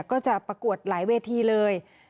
ประกวดหลายเวทีเลย